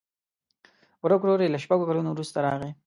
ورک ورور یې له شپږو کلونو وروسته راغی.